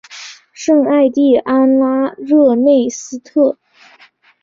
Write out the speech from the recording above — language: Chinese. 圣艾蒂安拉热内斯特。